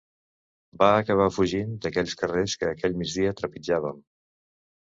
Va acabar fugint d’aquells carrers que aquell migdia trepitjàvem.